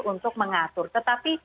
untuk mengatur tetapi